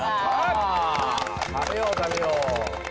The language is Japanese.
食べよう食べよう